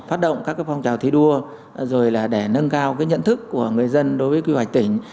phát động các phong trào thi đua rồi là để nâng cao nhận thức của người dân đối với quy hoạch tỉnh